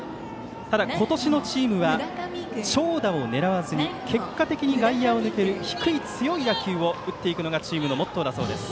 ただ、今年のチームは長打を狙わずに結果的に外野を抜ける低い強い打球を打っていくのがチームのモットーだそうです。